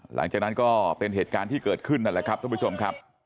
หลังจากนั้นก็เป็นเหตุการณ์ที่เกิดขึ้นนั่นแหละครับท่านผู้ชมครับ